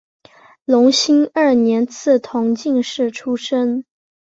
隆兴二年赐同进士出身。